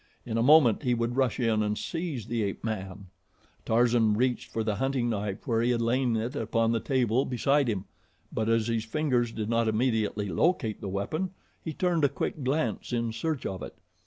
In a moment he would rush in and seize the ape man. Tarzan reached for the hunting knife where he had lain it on the table beside him; but as his fingers did not immediately locate the weapon, he turned a quick glance in search of it.